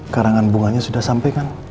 karangan bunganya sudah sampai kan